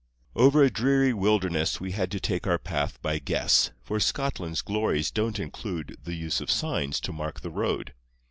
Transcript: Over a dreary wilderness We had to take our path by guess, For Scotland's glories don't include The use of signs to mark the road.